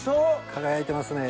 輝いてますね。